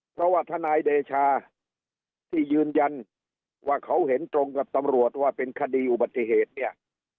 เพราะว่าทนายเดชาที่ยืนยันว่าเขาเห็นตรงกับตำรวจว่าเป็นคดีอุบัติเหตุเนี่ย